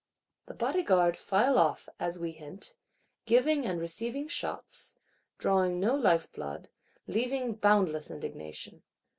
The Bodyguards file off, as we hint; giving and receiving shots; drawing no life blood; leaving boundless indignation.